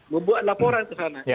membuat laporan ke sana